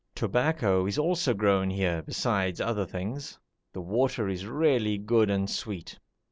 Tobacco is also grown here, besides other things. The water is really good and sweet.